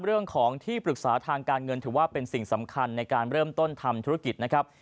เรื่องของที่ปรึกษาทางการเงินถือว่าเป็นสิ่งสำคัญในการเริ่มต้นทำธุรกิจนะครับ